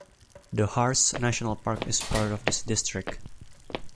The Harz National Park is part of this district.